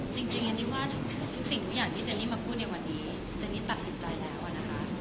จริงอันนี้ว่าทุกสิ่งทุกอย่างที่เจนนี่มาพูดในวันนี้เจนี่ตัดสินใจแล้วนะคะ